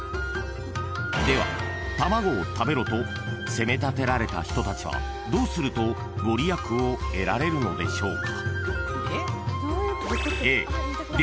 ［では「卵を食べろ」と責め立てられた人たちはどうすると御利益を得られるのでしょうか？］